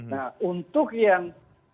nah untuk yang